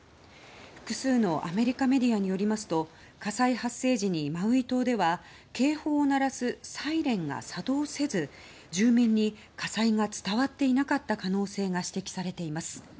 複数のアメリカメディアによりますと火災発生時にマウイ島では警報を鳴らすサイレンが作動せず住民に火災が伝わっていなかった可能性が指摘されています。